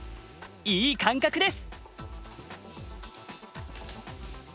いい感覚です。